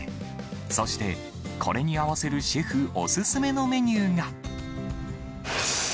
そしてこれに合わせるシェフお勧めのメニューが。